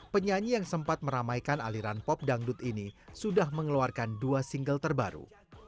penyanyi yang sempat meramaikan aliran pop dangdut ini sudah mengeluarkan dua single terbaru